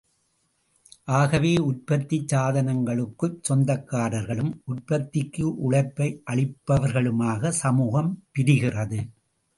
ஆகவே உற்பத்திச் சாதனங்களுக்குச் சொந்தக்காரர்களும், உற்பத்திக்கு உழைப்பை அளிப்பவர்களுமாக சமூகம் பிரிகிறது.